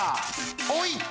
おい！